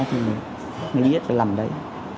thì mình biết phải làm đấy